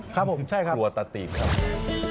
ครับผมใช่ครับกลัวตะตีบครับ